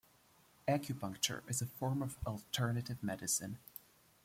Acupuncture is a form of alternative medicine.